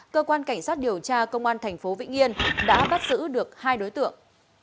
cơ quan cảnh sát điều tra công an thành phố vĩnh yên đã bắt giữ được hai đối tượng